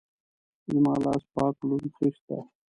زما لاس پاک لوند خيشت ده.